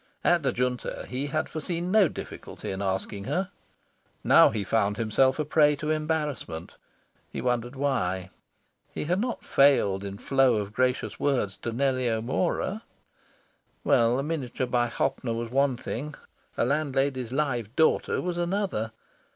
At the Junta, he had foreseen no difficulty in asking her. Now he found himself a prey to embarrassment. He wondered why. He had not failed in flow of gracious words to Nellie O'Mora. Well, a miniature by Hoppner was one thing, a landlady's live daughter was another.